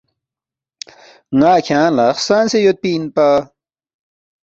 ن٘ا کھیانگ لہ خسنگسے یودپی اِنپا